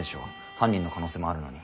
犯人の可能性もあるのに。